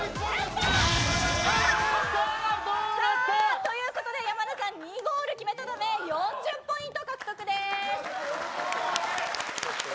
ということで２ゴール決めたので４０ポイント獲得です。